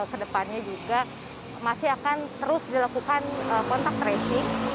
ke depannya juga masih akan terus dilakukan kontak res